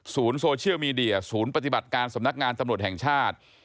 โซเชียลมีเดียศูนย์ปฏิบัติการสำนักงานตำรวจแห่งชาติ